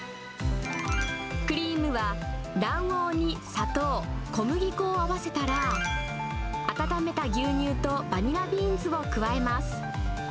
クリームは卵黄に砂糖、小麦粉を合わせたら、温めた牛乳とバニラビーンズを加えます。